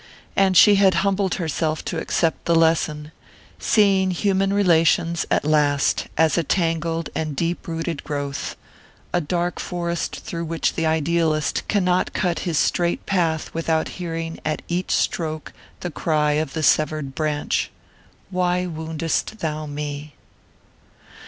And she had humbled herself to accept the lesson, seeing human relations at last as a tangled and deep rooted growth, a dark forest through which the idealist cannot cut his straight path without hearing at each stroke the cry of the severed branch: "_Why woundest thou me?